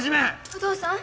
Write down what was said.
お父さん？